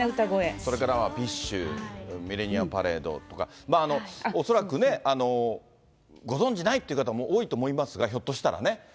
それからビッシュ、ミレニアムパレードとか、恐らくね、ご存じないという方も多いと思いますが、ひょっとしたらね。